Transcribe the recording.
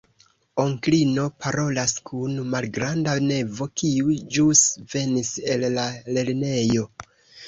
Onklino parolas kun malgranda nevo, kiu ĵus venis el la lernejo.